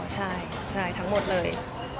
ใช่ทั้งหมดเลย